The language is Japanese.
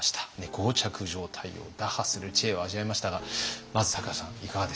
膠着状態を打破する知恵を味わいましたがまず咲楽さんいかがでした？